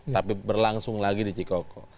tapi berlangsung lagi di cikoko